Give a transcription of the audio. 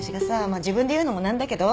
まあ自分で言うのも何だけど。